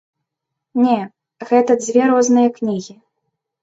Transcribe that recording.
Не, гэта дзве розныя кнігі.